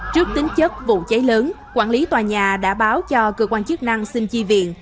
trước tính chất vụ cháy lớn quản lý tòa nhà đã báo cho cơ quan chức năng xin chi viện